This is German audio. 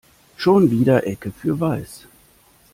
Schon wieder Ecke für Weiß.